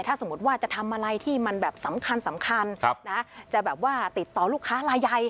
ถ้าสมมติว่าจะทำอะไรที่มันแบบสำคัญนะจะแบบว่าติดต่อลูกค้าลายใหญ่